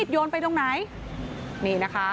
ยนไปตรงไหน